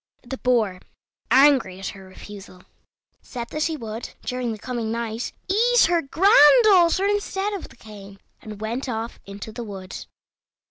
The Boar, angry at her refusal, said that he would, during the coming night, eat her granddaughter instead of the cane, and went off into the wood.